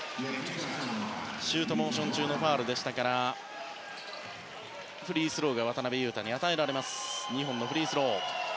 シュートモーション中のファウルでしたからフリースローが２本渡邊雄太に与えられます。